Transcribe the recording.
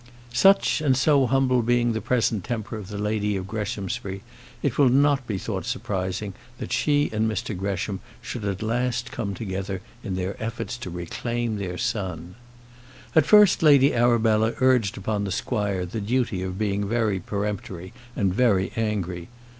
Such, and so humble being the present temper of the lady of Greshamsbury, it will not be thought surprising that she and Mr Gresham should at last come together in their efforts to reclaim their son. At first Lady Arabella urged upon the squire the duty of being very peremptory and very angry.